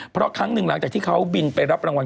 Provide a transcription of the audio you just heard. เพราะครั้งหนึ่งหลังจากที่เขาบินไปรับรางวัล